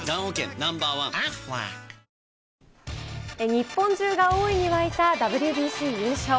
日本中が大いに沸いたＷＢＣ優勝。